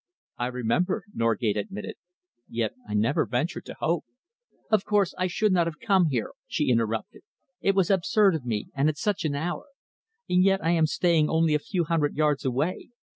"I remember," Norgate admitted. "Yet I never ventured to hope " "Of course I should not have come here," she interrupted. "It was absurd of me, and at such an hour! And yet I am staying only a few hundred yards away.